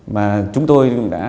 mà chúng tôi đã